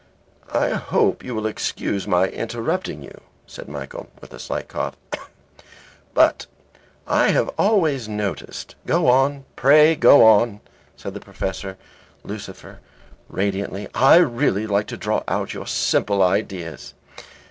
"I hope you will excuse my interrupting you," said Michael, with a slight cough, "but I have always noticed " "Go on, pray go on," said Professor Lucifer, radiantly, "I really like to draw out your simple ideas."